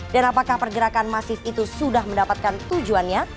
dan apakah pergerakan masif itu sudah mendapatkan tujuannya